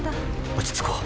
落ち着こう